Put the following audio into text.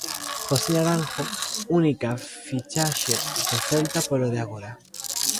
José Naranjo, única fichaxe do Celta polo de agora.